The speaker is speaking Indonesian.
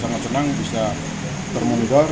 sangat senang bisa bermundur